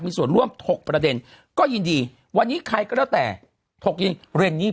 มีส่วนร่วมถกประเด็นก็ยินดีวันนี้ใครก็แล้วแต่ถกเย็นเรนนี่